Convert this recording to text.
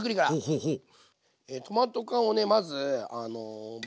ほうほう。